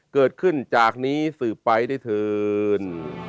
เกิดขึ้นจากนี้สืบไปได้เถิน